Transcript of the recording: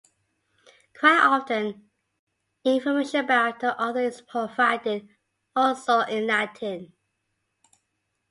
Quite often, information about the author is provided, also in Latin.